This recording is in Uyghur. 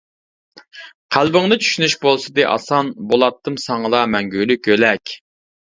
قەلبىڭنى چۈشىنىش بولسىدى ئاسان، بولاتتىم ساڭىلا مەڭگۈلۈك يۆلەك.